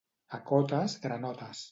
A Cotes, granotes.